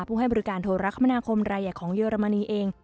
พูดให้บริการโทรรัคมนาคมระยะของเยอรมนีเอง